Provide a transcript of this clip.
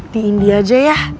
di india aja ya